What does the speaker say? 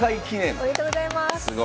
すごい。おめでとうございます。